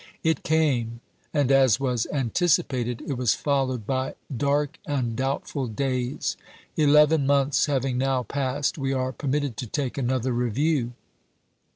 It came, and, as was anticipated, it was followed by dark and doubtful days. Eleven months having now passed, we are permitted to take another review.